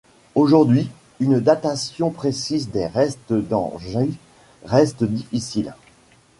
Aujourd'hui, une datation précise des restes d'Engis reste difficile.